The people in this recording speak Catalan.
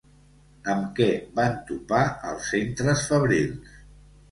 Amb què van topar els centres fabrils?